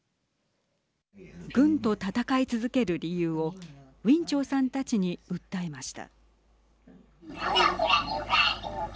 軍と戦い続ける理由をウィン・チョウさんたちに訴えました。